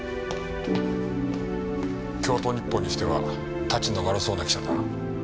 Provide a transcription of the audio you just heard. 京都日報にしてはタチの悪そうな記者だな。